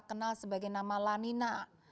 kenal sebagai nama lanina